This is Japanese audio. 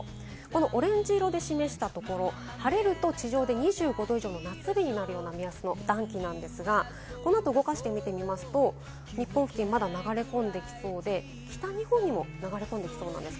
このオレンジ色で示したところ、晴れると地上で２５度以上の夏日となるような目安の暖気なんですが、この後、動かしてみますと日本付近まだ流れ込んできそうで、北日本にも流れ込んで来そうなんです。